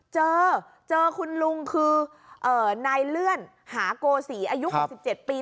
เจอเจอคุณลุงคือนายเลื่อนหาโกศีอายุ๖๗ปี